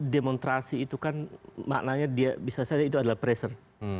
demonstrasi itu kan maknanya bisa saya katakan itu adalah pressure